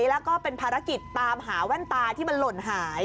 แล้วก็เป็นภารกิจตามหาแว่นตาที่มันหล่นหาย